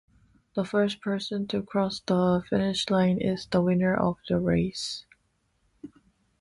The first person to cross the finish line is the winner of the race.